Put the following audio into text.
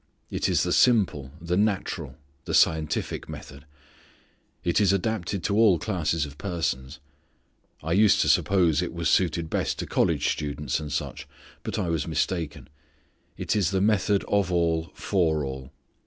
It is the simple, the natural, the scientific method. It is adapted to all classes of persons. I used to suppose it was suited best to college students, and such; but I was mistaken. It is the method of all for all.